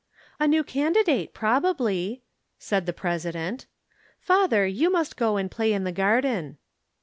"A new candidate, probably," said the President. "Father, you must go and play in the garden."